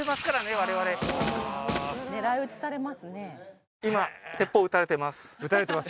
我々今鉄砲撃たれてます